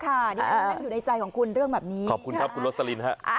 เพราะฉะนั้นรู้ค่ะอยู่ในใจของคุณเรื่องแบบนี้ขอบคุณครับคุณรสลินฮะ